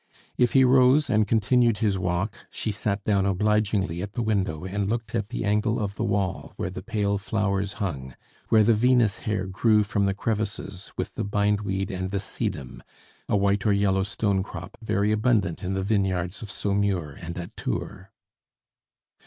If he rose and continued his walk, she sat down obligingly at the window and looked at the angle of the wall where the pale flowers hung, where the Venus hair grew from the crevices with the bindweed and the sedum, a white or yellow stone crop very abundant in the vineyards of Saumur and at Tours.